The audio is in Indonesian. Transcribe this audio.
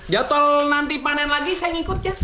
jatuh nanti panen lagi saya ngikut ya